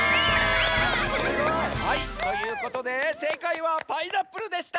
はいということでせいかいはパイナップルでした。